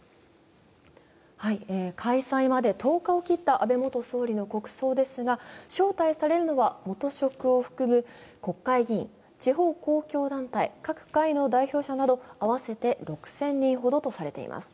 開催まで１０日を切った安倍元総理の国葬ですが招待されるのは元職を含む国会議員、地方公共団体、各界の代表者など合わせて６０００人ほどとされています。